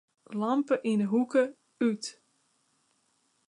Lampe yn 'e hoeke út.